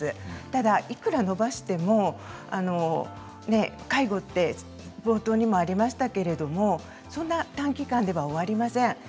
ただ、いくら延ばしても介護は冒頭にもありましたけれど短期間では終わりません。